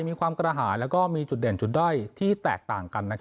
มีความกระหายและมีจุดเด่นจุดด้อยที่แตกต่างกัน